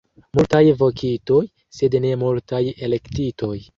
Multaj vokitoj, sed ne multaj elektitoj.